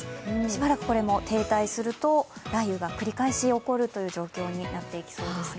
しばらくこれも停滞すると雷雨が繰り返し起こるという状況になっていくと思います。